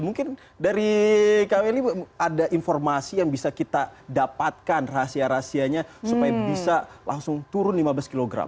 mungkin dari kak welly ada informasi yang bisa kita dapatkan rahasia rahasianya supaya bisa langsung turun lima belas kg